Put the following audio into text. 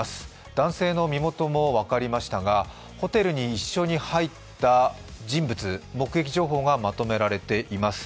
男性の身元も分かりましたが、ホテルに一緒に入った人物目撃情報がまとめられています。